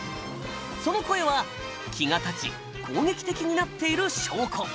その声は気が立ち攻撃的になっている証拠。